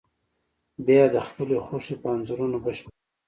بیا یې د خپلې خوښې په انځورونو بشپړ کړئ.